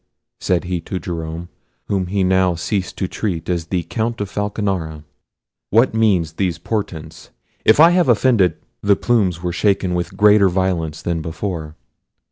said he to Jerome, whom he now ceased to treat as Count of Falconara, "what mean these portents? If I have offended—" the plumes were shaken with greater violence than before.